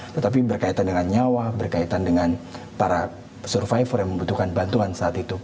tetapi berkaitan dengan nyawa berkaitan dengan para survivor yang membutuhkan bantuan saat itu